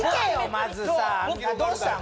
まずさどうしたの？